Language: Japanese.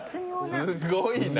すごいな！